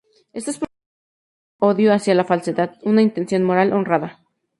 Estas producciones muestran odio hacia la falsedad, y una intención moral honrada.